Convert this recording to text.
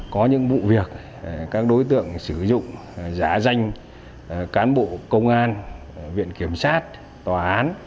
có những vụ việc các đối tượng sử dụng giá danh cán bộ công an viện kiểm sát tòa án